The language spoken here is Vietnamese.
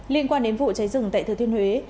liên quan đến vụ cháy rừng tại thừa thiên huế